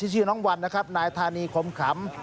ชื่อน้องวันนะครับนายธานีคมขำ